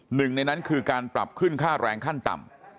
หนึ่งในนั้นคือการปรับขึ้นค่าแรงขั้นต่ำ